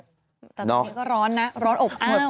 แต่ตอนนี้ก็ร้อนนะร้อนอบอ้าว